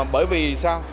bởi vì sao